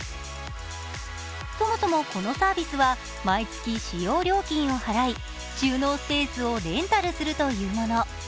そもそもこのサービスは毎月使用料金を払い収納スペースをレンタルするというもの。